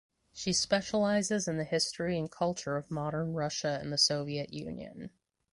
She specializes in the history and culture of modern Russia and the Soviet Union.